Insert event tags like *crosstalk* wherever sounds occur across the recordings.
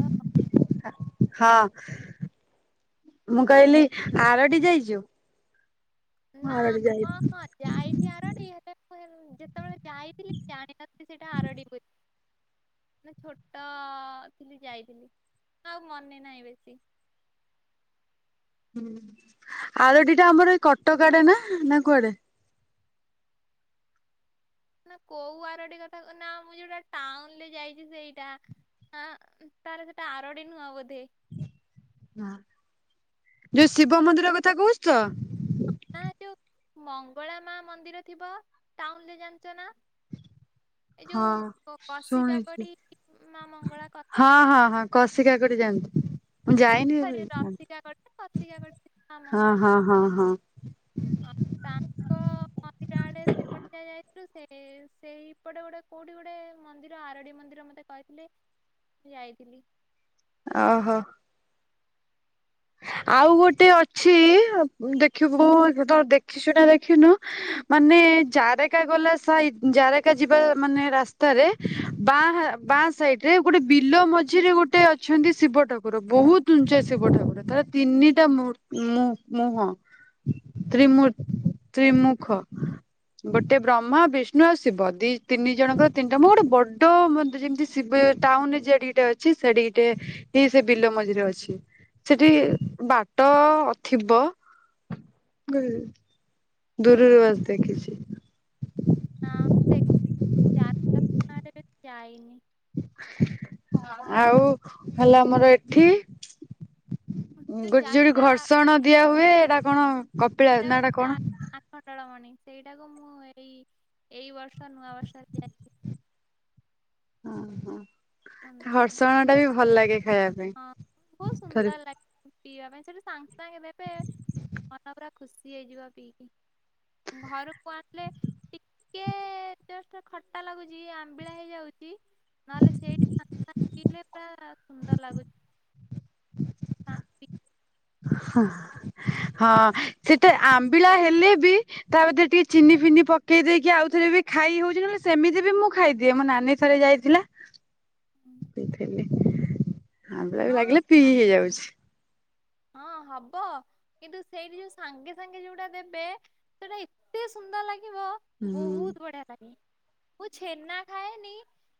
ହଁ। ହଁ। ମୁଁ କହିଲି, ଆରଡ଼ି ଯାଇଚୁ? ନା, ହଁ ହଁ, ଯାଇଚି ଆରଡ଼ି, ହେଲେ *unintelligible* ଯେତେବେଳେ ଯାଇଥିଲି, ଜାଣିନଥିଲି ସେଇଟା ଆରଡି ବୋଲି। ନା ଛୋଟ ଥିଲି ଯାଇଥିଲି, ଆଉ ମନେ ନାହିଁ ବେଶୀ। ହୁଁ। ଆରୋଡ଼ି ଟା ଆମର ଏଇ କଟକ ଆଡେ ନା, ନା କୁଆଡେ? ନା କୋଉ ଆରୋଡି କଥା କହୁଚ? ନା ମୁଁ ଯୋଉଟା ଟାଉନ୍ ରେ ଯାଇଛି ସେଇଟା। ହଁ, ତାହେଲେ ସେଟା ଆରୋଡ଼ି ନୁହଁ ବୋଧେ। ହଁ। ଯୋଉ ଶିବ ମନ୍ଦିର କଥା କହୁଛୁ ତ? ନା *unintelligible* ଯୋଉ ମଙ୍ଗଳା ମା ମନ୍ଦିର ଥିବ, ଟାଉନ୍ ରେ ଜାଣିଚ ନା? ଏଇ ହଁ ଯୋଉ କ୍ କଷିକା ଶୁଣିଛି। କଡି ମା ମଙ୍ଗଳାଙ୍କ ହଁ ହଁ ହଁ। କଷକା କାକୁଡ଼ି ଜାଣିଚି। ମୁଁ ଯାଇନି ହେଲେ ସରି ରସିକାକଡି ଜାଣିଚି। କଷିକାକଡି ମା ହଁ ମଙ୍ଗଳା ହଁ ହଁ ହଁ। ହଁ, ତାଙ୍କ ମନ୍ଦିର ଆଡେ ସେପଟେ ଯାଇଥିଲୁ। ସେ ସେଇପଟେ ଗୋଟେ କୋଉଠି ଗୋଟେ ମନ୍ଦିର ଆରୋଡ଼ି ମନ୍ଦିର ମତେ କିଏ କହିଥିଲେ, ମୁଁ ଯାଇଥିଲି। ଅ ହ। ଆଉ ଗୋଟେ ଅଛି। ଦେଖିବୁ, ତୁ ତ ଦେଖିଚୁ ନା ଦେଖିନୁ? ମାନେ ଜାରେକା ଗଲା ସାଇଟ୍, ଜାରେକା ଯିବା ମାନେ ରାସ୍ତାରେ ବାଁ ହାଁ ବାଁ ସାଇଟ୍ ରେ, ଗୋଟେ ବିଲ ମଝିରେ ଗୋଟେ ଅଛନ୍ତି ଶିବ ଠାକୁର। ବୋହୁତ୍ ଉଁଚ୍ଚା ଶିବ ଠାକୁର, ତାର ତିନିଟା ମୁର୍ ମୁ ମୁହଁ। ତ୍ରି ମୁର୍ ତ୍ରିମୁଖ। ଗୋଟେ ବ୍ରହ୍ମା ବିଷ୍ଣୁ ଆଉ ଶିବ। ଦି ତିନି ଜଣଙ୍କର ତିନିଟା ମୁହଁ। ଗୋଟେ ବଡ଼ ମନ୍ଦିର। ଯେମିତି ଶିବ, ଟାଉନ୍ ରେ ଜେଡିକି ଟେ ଅଛି। ସେଡ଼ିକି ଟେ ହିଁ ସେ ବିଲ ମଝିରେ ଅଛି। ସେଠି ବାଟ ଅ ଥିବ? ନା ଦୂରରୁ ବାସ୍ ଦେଖିଛି। *unintelligible* ଆଉ ହେଲା ଆମର ଏଠି ଗୋଟେ ଯୋଉଠି ଯାତ୍ରା ଘର୍ଷଣ ଦିଆ ହୁଏ। ହେଟା କଣ? କପିଳା ନା ଏଟା କଣ? *unintelligible* ଆଖଣ୍ଡଳମଣି। ସେଇ ଟାକୁ ମୁଁ ଏଇ, ଏଇ ବର୍ଷ ନୂଆ ବର୍ଷ ରେ ଯାଇଥିଲି। ଅ ହଁ। ଖଣ୍ଡମଣି ଖର୍ଷଣ ଟା ବି ଭଲ୍ ଲାଗେ ଖାଇବାକୁ। ହଁ, ବୋହୁତ୍ ସୁନ୍ଦର ଲାଗେ। ପିଇବା ପାଇଁ। ସେଠୁ ସାଙ୍ଗେ ସାଙ୍ଗେ ଦେବେ, ମନ ପୁରା ଖୁସି ହେଇଯିବ ପିଇକି। ଘରକୁ ଆସିଲେ? ଟିକେ ଜଷ୍ଟ ଖଟା ଲାଗୁଚି, ଆମ୍ବିଳା ହେଇ ଯାଉଚି ନହେଲେ ସେଇଠି ଫାଙ୍କା ଥିଲେ ପୁରା ସୁନ୍ଦର ଲାଗୁଚି। ଶାନ୍ତି। ହଁ। ହଁ ସେଟା ଆମ୍ବିଳା ହେଲେ ବି ତା ମଧ୍ୟରେ ଟିକେ ଚିନି ଫିନି ପକେଇ ଦେଇକି ଆଉ ଥରେ ବି ଖାଇ ହୋଉଛି। ନହେଲେ ସେମିତି ବି ମୁଁ ଖାଇଦିଏ। ମୋ ନାନୀ ଥରେ ଯାଇଥିଲା *unintelligible* ଆମ୍ବିଳା ବି ହଁ ଲାଗିଲେ ପିଇ ଆଜ୍ଞା ହେଇଯାଉଛି। ହଁ ହବ। କିନ୍ତୁ ସେଇଠି ଯୋଉ ସାଙ୍ଗେ ସାଙ୍ଗେ ଯୋଉଟା ଦେବେ ସେଟା ଏତେ ସୁନ୍ଦର୍ ଲାଗିବ। ବୋହୁତ୍ ହୁଁ ବଢ଼ିଆ ଲାଗେ। ମୁଁ ଛେନା ଖାଏନି।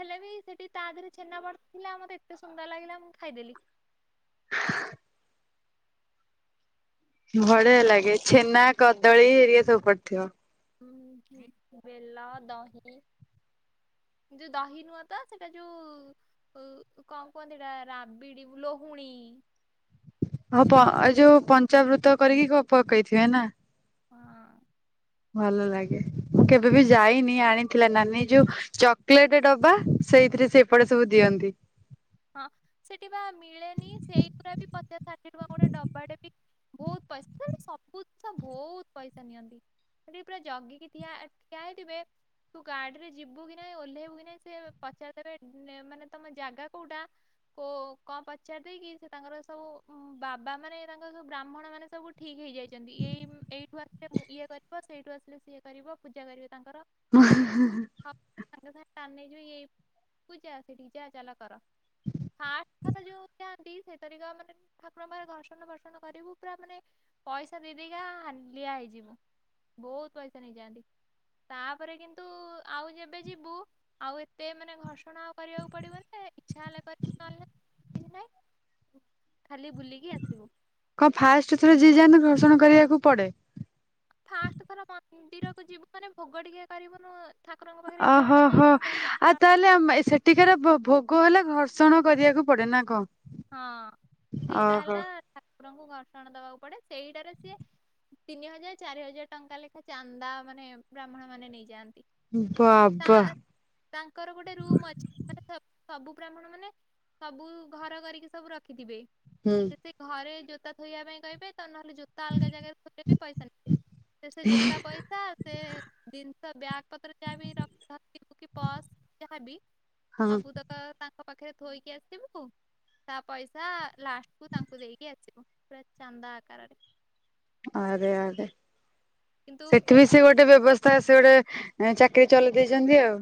ହେଲେ ବି ସେଠି ତା ଦେହରେ ଛେନା ପଡ଼ିଥିଲା। ମତେ ଏତେ ସୁନ୍ଦର ଲାଗିଲା ମୁଁ ଖାଇ ଦେଲି। ବଢ଼ିଆ ଆ- ଲାଗେ। ଛେନା କଦଳୀ ହେରିଆ ସବୁ ପଡି ଥିବ। ହୁଁ ହୁଁ ହୁଁ। ବେଲ ଦହି ଯୋଉ ଦହି ନୁହଁ ତ ସେଟା ଯୋଉ କଣ କୁହନ୍ତି ହେଟା ରାବିଡି ଲହୁଣୀ। ହଁ ପ ଏଇ ଯୋଉ ପଞ୍ଚାବୃତ କରିକି ତ ପକେଇ ଥିବେ ନା? ହଁ। ଭଲ ଲାଗେ। ମୁଁ କେବେ ବି ଯାଇନି ଆଣିଥିଲା ନାନୀ ଯୋଉ ଚକୋଲେଟ୍ ଡବା। ସେଇଥିରେ ସେପଟେ ସବୁ ଦିଅନ୍ତି। ହଁ। ସେଠି ପା ମିଳେନି। ସେଇ ଗୁରା ବି ପଚାଶ ଷାଠିଏ ଟଙ୍କା ଗୋଟେ ଡବା ଟେ ବି। ବହୁତ ପଇସା ସେନ୍ତି ସବୁ ଜିନିଷ ବହୁତ ପଇସା ନିଅନ୍ତି। ସେଠି ପୁରା ଜଗିକି ଠିଆ ଠିଆ ହେଇଥିବେ ତୁ ଗାଡିରେ ଯିବୁ କି ନାହିଁ ଓହ୍ଲେଇବୁ କି ନାହିଁ ସେ ପଚାରିଦେବେ ମାନେ ତମ ଜାଗା କଉଟା। ଓ କଣ ପଚାରିଦେଇ କି ସେ ତାଙ୍କର ସବୁ ବାବା ମାନେ ତାଙ୍କର ସବୁ ବ୍ରାହ୍ମଣ ମାନେ ସବୁ ଠିକ ହେଇଯାଇଛନ୍ତି। ଏଇ ଏଇଠୁ ଆସିଲେ ଇଏ କରିବ ସେଇଠୁ ଆସିଲେ ସିଏ କରିବ ପୂଜା କରିବେ ତାଙ୍କର। ହ *inaudible* ହଁ ସାଙ୍ଗେ ସାଙ୍ଗେ ଟାଣି ନେଇଯିବେ ଏଇ ପୂଜା ସେଇଠି ଯାହା ଚାଲ କର। ଫାଷ୍ଟ ଥର ଯୋଉ ଯାଆନ୍ତି ସେଇଥରିକ ମାନେ ଠାକୁରଙ୍କର ଘର୍ଷଣ ବର୍ଷଣ କରିବୁ ପୁରା ମାନେ ପଇସା ଦେଇଦେଇକା ହାଲିଆ ହେଇଯିବ ବହୁତ ପଇସା ନେଇଯାଆନ୍ତି। ତାପରେ କିନ୍ତୁ ଆଉ ଯେବେ ଯିବୁ ଆଉ ଏତେ ମାନେ ଘର୍ଷଣ ଆଉ କରିବାକୁ ପଡିବ ଯେ ଇଚ୍ଛା ହେଲେ କରିବୁ ନହଲେ ନାହିଁ ଖାଲି ବୁଲିକି ଆସିବୁ। କଣ ଫାଷ୍ଟ ଥର ଯିଏ ଯାଆନ୍ତି ଘର୍ଷଣ କରିବାକୁ ପଡେ? ଫାଷ୍ଟ ଥର ମନ୍ଦିରକୁ ଯିବୁ ମାନେ ଭୋଗ ଟିକେ କରିବୁନୁ ଠାକୁରଙ୍କ ପାଖରେ ଏତେ ବାଟା ଓହୋହୋ ଯାଇଚୁ ଯାହେଲେ ଆଉ ତାହେଲେ ମ ସେଠିକାର ଭୋଗ ହେଲେ ଘର୍ଷଣ କରିବାକୁ ପଡେ ନା କଣ? ହଁ ଏଇଟା ଓହୋ ହେଲା ଠାକୁରଙ୍କୁ ଘର୍ଷଣା ଦବାକୁ ପଡେ ସେଇଟାରେ ସିଏ ତିନି ହଜାର, ଚାରି ହଜାର ଟଙ୍କା ଲେଖା ଚାନ୍ଦା ମାନେ ବ୍ରାହ୍ମଣ ମାନେ ନେଇଯାଆନ୍ତି। ବା ବା। ତାହା ତାଙ୍କର ଗୋଟେ ରୁମ ଅଛି ମାନେ ସବୁ ବ୍ରାହ୍ମଣ ମାନେ ସବୁ ଘର କରିକି କି ସବୁ ରଖିଥିବେ। ହୁଁ। ସେ ସେ ଘରେ ଜୋତା ଥୋଇବା ପାଇଁ କହିବେ ତ ନହେଲେ ଜୋତା ଅଲଗା ଜାଗାରେ ଥୋଇଲେ ବି ପଇସା ନେବେ। ସେ ସେ ଜୋତା ପଇସା ସେ ଜିନିଷ ବ୍ୟାଗ୍ ପତ୍ର ଯାହା ବି ରଖି କି ପସ ଯହାବି ହଁ। ତ ତାଙ୍କ ପାଖରେ ଥୋଇକି ଆସିବୁ। ତା ପଇସା ଲାଷ୍ଟକୁୁ ତାଙ୍କୁ ଦେଇକି ଆସିବ ପୁରା ଚାନ୍ଦା ଆକାରରେ। ଆରେ ଆରେ କିନ୍ତୁ ସେଠି ବି ସେ ଗୋଟେ ବ୍ୟବସ୍ଥା ସେ ଗୋଟେ ଚାକିରି ଚଲେଇ ଦେଇଚନ୍ତି ଆଉ।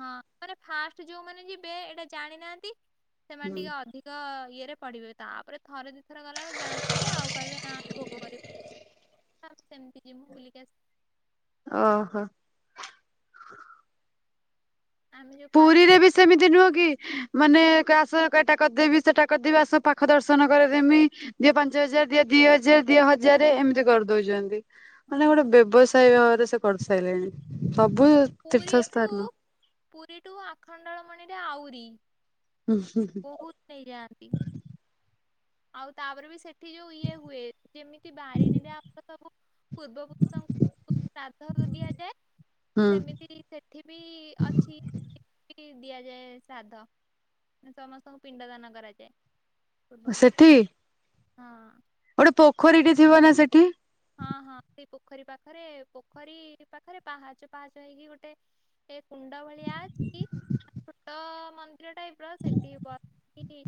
ହଁ ମାନେ ଫାଷ୍ଟ ଯୋଉମାନେ ଯିବେ ଏଇଟା ଜାଣିନାହାନ୍ତି। ସେମାନେ ହୁଁ ଟିକେ ଅଧିକ ଇଏରେ ପଢିବେ। ତାପରେ, ଥରେ ଦିଇଥର ଗଲାବେକୁ ଜାଣିଥିବେ ଆଉ କହିବେ ନା ଭୋଗ କରିବ ହଁ ସେମିତି ଯିବମୁଁ ବୁଲିକି ଆସିି ଓହୋ। ଆମେ ଯୋଉ ଫାଷ୍ଟ ପୁରୀରେ ଥର ବି ଯାଇଥିଲୁ ସେମିତି ନୁହଁ କି? ମାନେ କ ଆସ ଏଟା କରିଦେବି ସେଟା କରିଦେବି ଆସ ପାଖ ଦର୍ଶନ କରେଇଦେମି‌। ଦିଅ ପାଞ୍ଚ ହଜାର ଦିଅ ଦିଅ ହଜାର ଦିଅ ହଜାର ଏମିତି କରିଦୋଉଚନ୍ତି। ମାନେ ଗୋଟେ ବ୍ୟବସାୟୀ ଭାବରେ ସେ କରିସାଇଲେଣି ସବୁ ତୀର୍ଥ ପୁରୀଠୁ ସ୍ଥାନ ପୁରୀଠୁ ଆଖଣ୍ଡଳ ମଣିରେ ଆହୁରି। ଉଁ ହୁଁ। ବୋହୁତ ନେଇଯାଆନ୍ତି। ଆଉ ତାପରେ ବି ସେଠି ଯୋଉ ଇଏ ହୁଏ ଯେମିତି ବାରିଣିରେ ଆମର ସବୁ ପୂର୍ବପୁରୁଷଙ୍କୁ ଶ୍ରାଦ୍ଧ ଦିଆଯାଏ ହୁଁ। ସେମିତି ସେ ସେଠି ବି ଅଛି ଦିଆଯାଏ ଶ୍ରାଦ୍ଧ। ସମସ୍ତଙ୍କୁ ପିଣ୍ଡ ଦାନ କରାଯାଏ। ପୂର୍ବପୁରୁଷ ସେଠି? ହଁ। ଗୋଟେ ପୋଖରୀଟେ ଥିବ ନା ସେଠି? ହଁ ହଁ ସେଇ ପୋଖରୀ ପାଖରେ ପୋଖରୀ ପାଖରେ ପାହାଚ ପାହାଚ ହେଇକି ଗୋଟେ ସେ କୁଣ୍ଡ ଭଳିଆ ଅଛି। ଛୋଟ ମନ୍ଦିର ଟାଇପ ର ସେଠି ବସି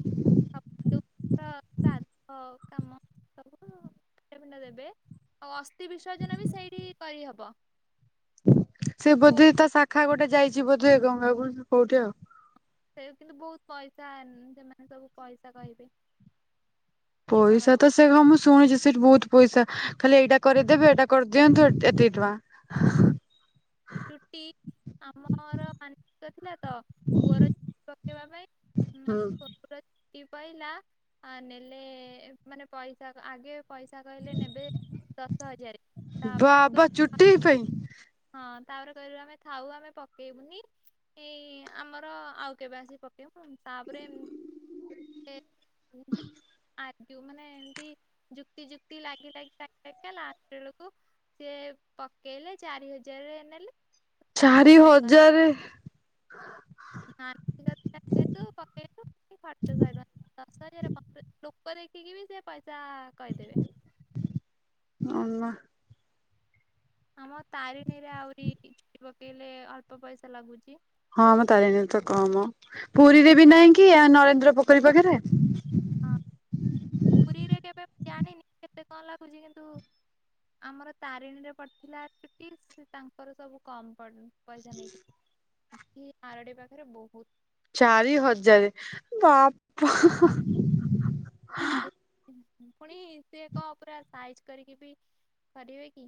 *unintelligible* ଶ୍ରାଦ୍ଧ କାମ ସବୁ ପିଣ୍ଡ ଫିଣ୍ଡ ଦେବେ। ଆଉ ଅସ୍ଥି ବିସର୍ଜନ ବି ସେଇଠି କରିହବ। ସେ ବୋଧେ ତା ଶାଖା ଗୋଟେ ଯାଇଚି ବୋଧେ ଗଙ୍ଗାକୁ କି କୋଉଠି ଆଉ। ସେ କିନ୍ତୁ ବୋହୁତ ପଇସା ସେମାନେ ସବୁ ପଇସା କହିବେ। ସେଠି ପଇସା କରନ୍ତି ତ ସେ ହଁ ମୁଁ ଶୁଣିଚି ସେଠି ବୋହୁତ ପଇସା ଖାଲି ଏଇଟା କରିଦେବେ ଏଇଟା କରିଦିଅନ୍ତୁ ଏତିକି ଟଙ୍କା। ହ *unintelligible* ଚୁଟି ଆମର ମାନିସିକ ଥିଲା ତ ପୁଅର ପକେଇବା ପାଇଁ। ଆମ ହୁଁ ପୁଅର ଚୁଟି ପାଇଲା ନେଲେ ମାନେ ପଇସା ଆଗେ ପଇସା କହିଲେ ନେବେ ଦଶ ହଜାର ତାପରେ ଆ *unintelligible* ତିଇ ପାଇଁ ହଁ ତାପରେ କହିଲୁ ଆମେ ଥାଉ ଆମେ ପକେଇବୁନି ଏଇ ଆମର ଆଉ କେବେ ଆସିକି ପ୍ *unintelligible* ତାପରେ *unintelligible* ଯୋଉ ମାନେ ଏମିତି ଯୁକ୍ତି ଯୁକ୍ତି ଲାଗି ଲାଗି ଲାଗି ଲଗିକା ଲାଷ୍ଟବେଳକୁ ସିଏ ପକେଇଲେ ଚାରି ହଜାରେ ନେଲେ। ଚାରି ଖର୍ଚ୍ଚ ଶହେ ଟଙ୍କା ହଜାରେ। ମାନସିକ ଥିଲା ଯେହେତୁ ପକେଇଲୁ *unintelligible* ଖର୍ଚ୍ଚ ସହେ ଟଙ୍କା ଦଶ ହଜାର ପନ୍ଦର ହଜାର ଲୋକ ଦେଖିକିବି ସେ ପଇସା କହିଦେବେ। ଅନା। ଆମ ତାରିଣୀରେ ଆହୁରି ଚୁଟି ପକେଇଲେ ଅଳ୍ପ ପଇସା ଲାଗୁଚି। ହଁ ମ ତାରିଣୀ ତ କମ ପୁରୀରେ ବି ନାହିଁ କି ଆ ନରେନ୍ଦ୍ର ପୋଖରୀ ପାଖରେ। ହଁ ପୁରୀରେ କେବେ ଜାଣିନି କେବେ କଣ ଲାଗୁଛି କିନ୍ତୁ ଆମର ତାରିଣୀରେ ପଡିଥିଲା ଚୁଟି ସେ ତାଙ୍କର ସବୁ କମ ପଡୁ ପଇସା ନେଇଥିଲି କି ଆରୋଡି ପାଖରେ ବହୁତ ଚାରି ହଜାର ବାପା *unintelligible* ପୁଣି ସେ ଏକ ପୁରା ସାଇଜ କରିକି ବି ପାରିବେ କି?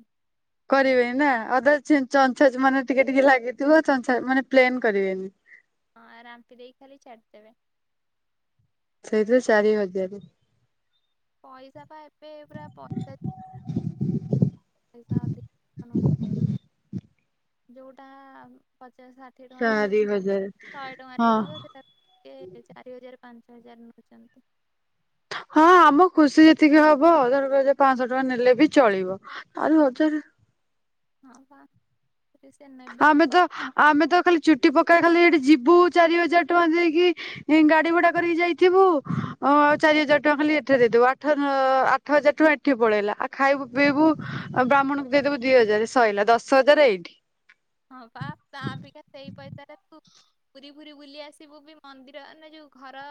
ସେମ କରିବେନି ନା ଅଧା ଚି ଚଞ୍ଛା ମାନେ ଟିକେ ଟିକେ ଲାଗିଥିବ ଚଞ୍ଚ୍ଛା ମାନେ ପ୍ଲେନ୍ କରିବେନି। ହଁ ରାମ୍ପୀ ଦେଇକି ଖାଲି ଛାଡ଼ିଦେବେ। ସେଇଥିରେ ଚାରି ହଜାରେ। ପଇସା ବା ଏବେ ପୁରା ପତ ପଇସା ଅଧିକ ନଉଛ ଯୋଉଟା ପଚାଶ ଷାଠିଏ ଟଙ୍କା ଚାରି *unintelligible* ହଜାର ଶହେ ଟଙ୍କା ହଁ ହେଇଯିବ ସେଇଟା କିଏ ଚାରି ହଜାର ପାଞ୍ଚ ହଜାର ନଉଛନ୍ତି? ହଁ ଆମ ଖୁସି ଯେତିକି ହବ ଧର ପାଞ୍ଚଶହ ଟଙ୍କା ନେଲେ ବି ଚଳିବ। ଚାରି ହଜାର। ହଁ ବା। ସେ ନେବେ ଆମେ ତାଙ୍କ ତ ଆମେ ତ ଖାଲି ଚୁଟି ପକାଇବ ଖାଲି ଏଠି ଯିବୁ ଚାରି ହଜାର ଟଙ୍କା ଦେଇକି ଏଇ ଗାଡି ଭଡା କରିକି ଯାଇଥିବୁ ଅ ଚାରି ହଜାର ଟଙ୍କା ଖାଲି ଏଠାରେ ଦେଇଦବୁ ଆଠ ଆ ଆଠ ହଜାର ଟଙ୍କା ଏଠି ପଳେଇଲା ଆଉ ଖାଇବୁ ପିଇବୁ ବ୍ରାହ୍ମଣଙ୍କୁ ଦେଇଦବୁ ଦି ହଜାର ସଇଲା ଦଶ ହଜାର ଏଇଠି। ହଁ ବା ତା ଅପେକ୍ଷା ସେଇ ପଇସାରେ ତୁ ପୁରୀ ଫୁରି ବୁଲି ଆସିବୁ ବି ମନ୍ଦିର ନା ଯୋଉ ଘର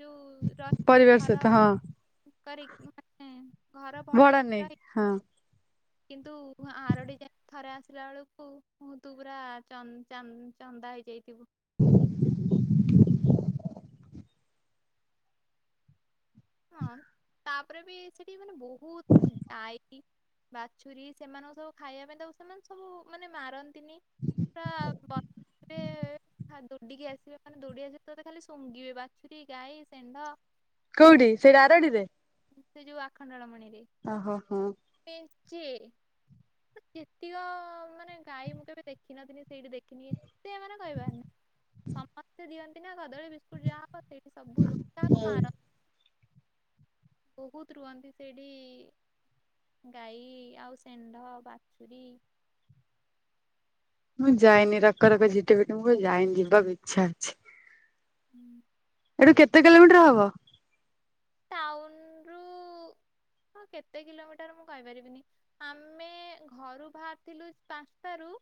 ଯୋଉ ର ପରିବାର ସହିତ ଘର ହଁ କରିକି ମାନେ ଘର ଭଡା ନେଇ ର ନେଇକି *unintelligible* ହଁ କିନ୍ତୁ ଆରଡି ଯାଇ ଥରେ ଆସିଲା ବେଳକୁ ତୁ ପୁରା ଚ ଚ ଚନ୍ଦା ହେଇଯାଇଥିବୁ। *inaudible* ହଁ ତାପରେ ବି ସେଠି ମାନେ ବହୁତ ଡାଇ ବାଛୁରୀ ସେମାନଙ୍କୁ ସବୁ ଖାଇବା ପାଇଁ ତାକୁ ସେମାନେ ସବୁ ମାନେ ମାରନ୍ ତିନି ବା ବ *unintelligible* ଏବେ ଖା ଦୌଡିକି ଆସିବେ ମାନେ ଦୌଡି ଆସିବେ ତୋତେ ଖାଲି ଶୁଙ୍ଗିବେ ବାଛୁରୀ ଗାଈ ସେଣ୍ଢ। କୋଉଠି ସେଇ ଆରଡିରେ? ସେ ଯୋଉ ଆଖଣ୍ଡଳମଣିରେ। ଓହୋ ହୋ। ମେଞ୍ଚେ ମ୍ ଯେତିକ ମାନେ ଗାଈ ମୁଁ କେବେ ଦେଖ ଦେଖିନଥିବି ସେଇଠି ଦେଖିନି ଏତେ ଏମାନେ କହିବାରନାଇ ସମସ୍ତେ ଦିଅନ୍ତି ନା କଦଳୀ ବିସ୍କୁ *unintelligible* ଯାହା ହବ ସେଠି ସବୁ ରୁହ ତ କାହାକୁ ମାର ବହୁତ ରୁହନ୍ତି ସେଇଠି ଗାଈ ଆଉ ସେଣ୍ଢ ବାଛୁରୀ। ମୁଁ ଯାଇନି ରକରକ ଜିଟ ପିଟ ମୁଁ କ ଯାଇନି ଯିବାକୁ ଇଚ୍ଛା ଅଛି। ହୁଁ ଏଠୁ ଯିବା କେତେ କିଲୋମିଟର ହବ? ଟାଉନ ରୁ ହଁ କେତେ କିଲୋମିଟର ମୁଁ କହିପାରିବିନି। ଆମେ ଘରୁ ବାହାରିଥିଲୁ ପାଞ୍ଚଟାରୁ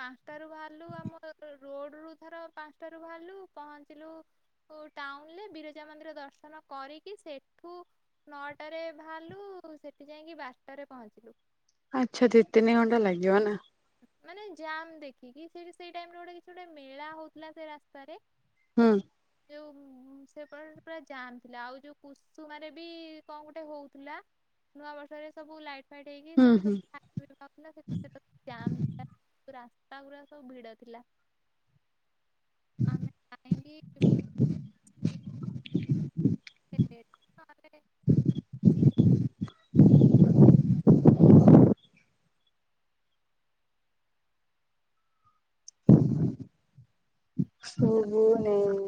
ପାଞ୍ଚଟାରୁୁ ବାହାରିଲୁ ଆମ ରୋଡ ରୁ ଧର ପାଞ୍ଚଟାରୁୁ ବାହାରିଲୁ ପହଞ୍ଚିଲୁ ଉ ଟାଉନରେ ବିରଜା ମନ୍ଦିର ଦର୍ଶନ କରିକି ସେଠୁ ନଅଟାରେ ବାହାରିଲୁ ସେଠି ଜାଇଁକି ବାରଟାରେ ପହଞ୍ଚିଲୁ। ଆଚ୍ଛା ଦି ତିନି ଘଣ୍ଟା ଲାଗିବ ନା। ମାନେ ଜାମ୍ ଦେଖିକି। ସେଠି ସେଇ ଟାଇରେ ଗୋଟେ କିଛି ଗୋଟେ ମେଳା ହଉଥିଲା ସେ ରାସ୍ତାରେ ହୁଁ। ଯୋଉ ଉଁ, ସେପଟ ପୁରା ଜାମ୍ ଥିଲା ଆଉ ଯୋଉ କୁସୁମାରେ ବି କଣ ଗୋଟେ ହଉଥିଲା। ନୂଆ ବର୍ଷରେ ସବୁ ଲାଇଟ୍ ଫାଇଟ୍ ହେଇକି ହୁଁ ସେଠି ହୁଁ। ସବୁ *inaudible* ହଉଥିଲା *inaudible* ଜାମ୍ ଥି ରାସ୍ତା ଗୁଡରା ସବୁ ଭିଡ ଥିଲା। ଆମେ ଯାଇଙ୍ଗି *unintelligible* ହୁ, ହୁ ନେଇ